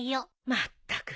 まったく。